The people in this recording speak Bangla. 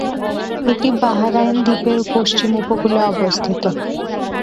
এটি বাহরাইন দ্বীপের পশ্চিম উপকূলে অবস্থিত।